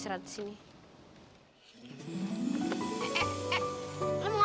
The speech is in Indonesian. beberapa kali ko